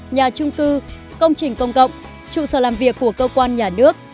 nhà trung cư công trình công cộng trụ sở làm việc của cơ quan nhà nước